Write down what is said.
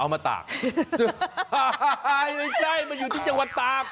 มาตากไม่ใช่มาอยู่ที่จังหวัดตาก